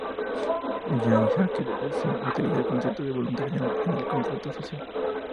Jean-Jacques Rousseau utiliza el concepto de "voluntad general" en "El Contrato Social".